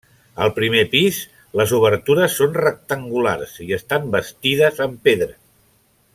Al primer pis, les obertures són rectangulars i estan bastides en pedra.